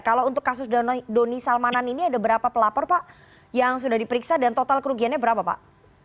kalau untuk kasus doni salmanan ini ada berapa pelapor pak yang sudah diperiksa dan total kerugiannya berapa pak